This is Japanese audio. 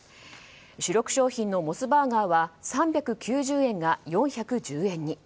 主力商品のモスバーガーは３９０円が４１０円に。